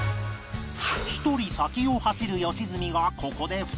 一人先を走る良純がここで再び